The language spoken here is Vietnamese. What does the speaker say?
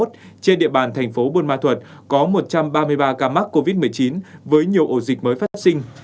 trên địa bàn thành phố buôn ma thuật có một trăm ba mươi ba ca mắc covid một mươi chín với nhiều ổ dịch mới phát sinh